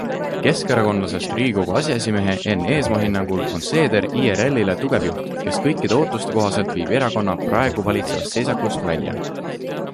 Keskerakondlasest Riigikogu aseesimehe Enn Eesmaa hinnangul on Seeder IRLile tugev juht, kes kõikide ootuste kohaselt viib erakonna praegu valitsevast seisakust välja.